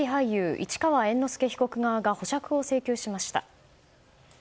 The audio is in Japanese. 市川猿之助被告側が保釈を請求しました。